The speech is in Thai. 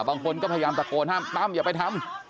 บางคนก็พยายามตะโกนห้ามตั้มอย่าไปทำ